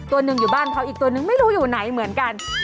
ตัวหนึ่งอยู่บ้านเขาอีกตัวนึงไม่รู้อยู่ไหนเหมือนกัน